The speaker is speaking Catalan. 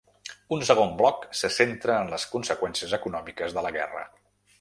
Un segon bloc se centra en les conseqüències econòmiques de la guerra.